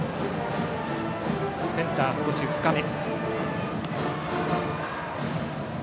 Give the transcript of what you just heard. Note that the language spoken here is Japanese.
センターは少し深め。